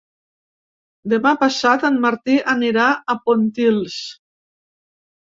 Demà passat en Martí anirà a Pontils.